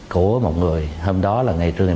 của một người hôm đó là ngày một mươi năm